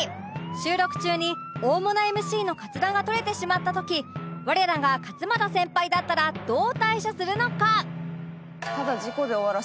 収録中に大物 ＭＣ のカツラが取れてしまった時我らが勝俣先輩だったらどう対処するのか？